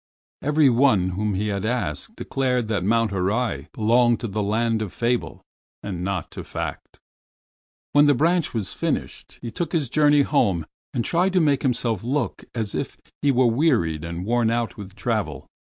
Every one whom he had asked declared that Mount Horai belonged to the land of fable and not to fact. When the branch was finished, he took his journey home and tried to make himself look as if he were wearied and worn out with travel.